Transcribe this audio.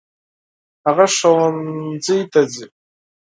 هغه ښوونځي ته ځي.